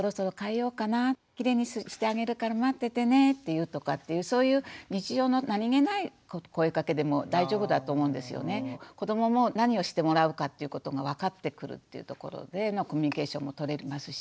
きれいにしてあげるから待っててね」って言うとかっていうそういう子どもも何をしてもらうかっていうことが分かってくるっていうところでコミュニケーションもとれますし。